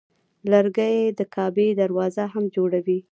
لرګی د کعبې دروازه هم جوړوي.